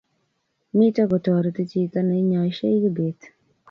Mito kotoreti chito ne nyaishe Kibet